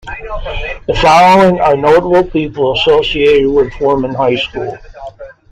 The following are notable people associated with Foreman High School.